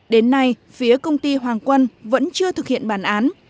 đến nay phía công ty hoàng quân vẫn chưa thực hiện bản án